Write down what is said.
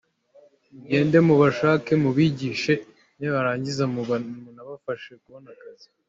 Mugende mubashake mubigishe, nibarangiza munabafashe kubona akazi”.